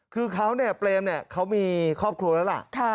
คือเขาเนี่ยเปรมเนี่ยเขามีครอบครัวแล้วล่ะ